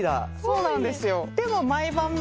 そうなんですよ。